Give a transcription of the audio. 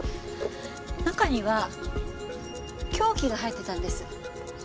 中には凶器が入っていたんです。